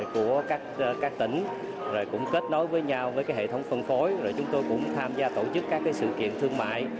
của các tỉnh kết nối với nhau với hệ thống phân phối chúng tôi cũng tham gia tổ chức các sự kiện thương mại